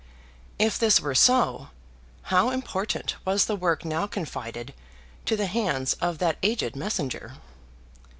If this were so, how important was the work now confided to the hands of that aged messenger!